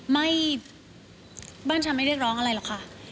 ไม่บ้านชามไม่ได้เรียกร้องอะไรหรอกค่ะ